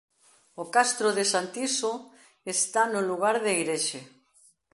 O castro de Santiso está no lugar de Eirexe.